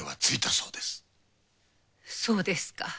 そうですか。